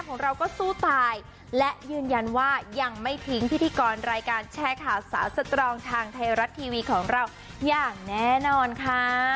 ของเราก็สู้ตายและยืนยันว่ายังไม่ทิ้งพิธีกรรายการแชร์ข่าวสาวสตรองทางไทยรัฐทีวีของเราอย่างแน่นอนค่ะ